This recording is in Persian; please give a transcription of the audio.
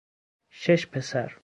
شش پسر